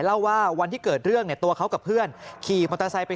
เล่าว่าวันที่เกิดเรื่องเนี่ยตัวเขากับเพื่อนขี่มอเตอร์ไซค์ไป